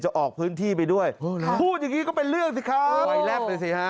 จะออกพื้นที่ไปด้วยพูดอย่างงี้ก็เป็นเรื่องสิครับ